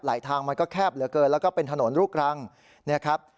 ทางมันก็แคบเหลือเกินแล้วก็เป็นถนนลูกรังเนี่ยครับ